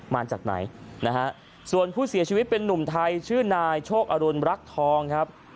มาจากไหนนะฮะส่วนผู้เสียชีวิตเป็นนุ่มไทยชื่อนายโชคอรุณรักทองครับ